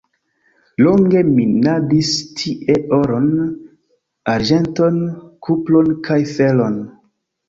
Longe minadis tie oron, arĝenton, kupron kaj feron.